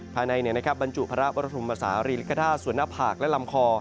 ภายในบรรจุพระบรมศาลีริกฐาส่วนหน้าผากและลำคอ